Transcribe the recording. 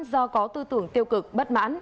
do có tư tưởng tiêu cực bất mãn